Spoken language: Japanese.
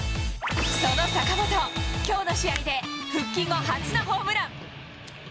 その坂本、きょうの試合で、復帰後初のホームラン。